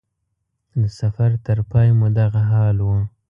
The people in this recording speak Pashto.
د سفر تر پای مو دغه حال و.